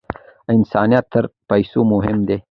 انسانیت تر پیسو مهم دی.